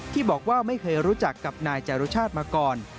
ที่บอกว่าไม่เคยรู้จักกับนายจารุชาติมาก่อน